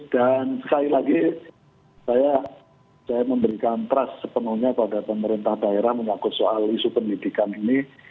dan sekali lagi saya memberikan trust sepenuhnya kepada pemerintah daerah mengaku soal isu pendidikan ini